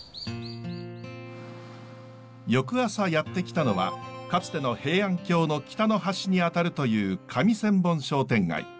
翌朝やって来たのはかつての平安京の北の端にあたるという上千本商店街。